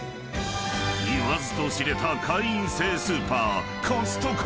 ［言わずと知れた会員制スーパーコストコ］